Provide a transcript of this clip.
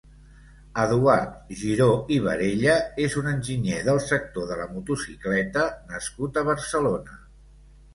Eduard Giró i Barella és un enginyer del sector de la motocicleta nascut a Barcelona.